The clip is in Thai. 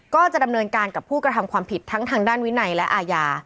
ก็จะดำเนินการกับผู้กระทำความผิดทั้งทางด้านวินัยและอาญา